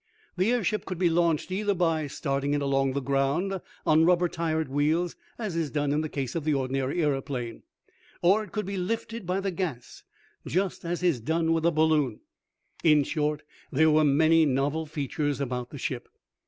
The airship could be launched either by starting it along the ground, on rubber tired wheels, as is done in the case of the ordinary aeroplane, or it could be lifted by the gas, just as is done with a balloon. In short there were many novel features about the ship.